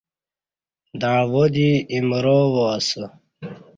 دعوا دی ایمرا وااسہ